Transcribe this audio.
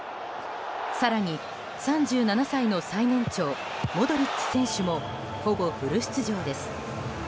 更に、３７歳の最年長モドリッチ選手もほぼフル出場です。